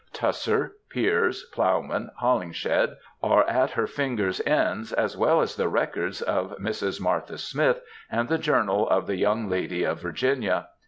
Tusser, Piers Plow man, Holinshed, are at her fingers^ ends, as well as the records of Mrs. Martha Smith, and the journal of ^^the young lady of Virginia.'